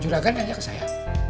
juragan tanya ke saya